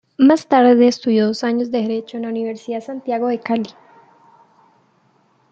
Más tarde estudió dos años de Derecho en la Universidad Santiago de Cali.